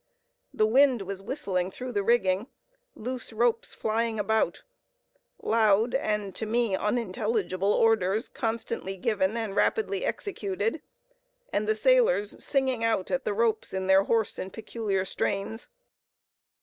The wind was whistling through the rigging, loose ropes flying about; loud and, to me, unintelligible orders constantly given and rapidly executed, and the sailors "singing out" at the ropes in their hoarse and peculiar strains.